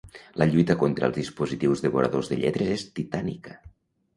La lluita contra els dispositius devoradors de lletres és titànica.